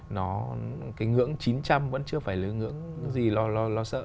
nó cái ngưỡng chín trăm linh vẫn chưa phải là ngưỡng gì lo sợ